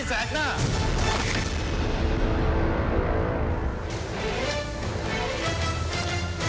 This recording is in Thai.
ชูเว็ดตีแสดหน้า